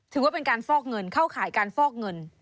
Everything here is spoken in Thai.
ถือว่าเป็นการฟอกเงินเข้าข่ายการฟอกเงิน